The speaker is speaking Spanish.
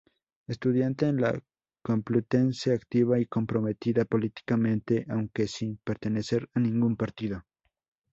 Estudiante en la Complutense, activa y comprometida políticamente aunque sin pertenecer a ningún partido.